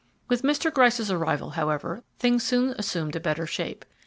With Mr. Gryce's arrival, however, things soon assumed a better shape.